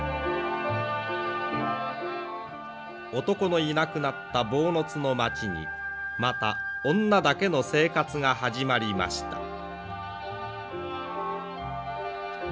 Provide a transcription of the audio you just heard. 男のいなくなった坊津の町にまた女だけの生活が始まりました。